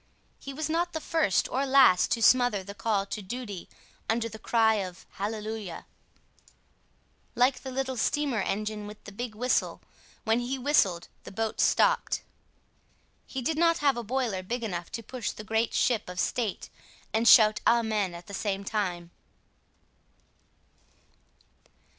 He was not the first or last to smother the call to duty under the cry of Hallelujah. Like the little steamer engine with the big whistle, when he whistled the boat stopped. He did not have a boiler big enough to push the great ship of state and shout Amen at the same time.